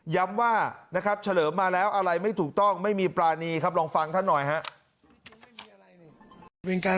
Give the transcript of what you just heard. ย้ำว่านะครับเฉลิมมาแล้วอะไรไม่ถูกต้องไม่มีปรานีครับลองฟังท่านหน่อยครับ